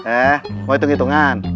eh mau hitung hitungan